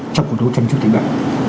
trong cuộc đấu tranh chủ tịch bệnh